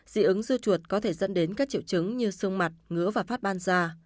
dị ứng dưa chuột có thể dẫn đến các triệu chứng như sương mặt ngứa và phát ban da